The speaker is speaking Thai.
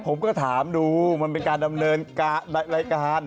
ผมก็ถามดูมันเป็นการดำเนินรายการ